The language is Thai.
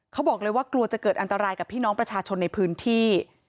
เขาบอกเลยว่ากลัวจะเกิดอันตรายกับพี่น้องประชาชนในพื้นที่